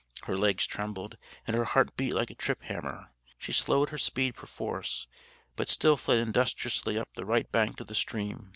Her legs trembled, and her heart beat like a trip hammer. She slowed her speed perforce, but still fled industriously up the right bank of the stream.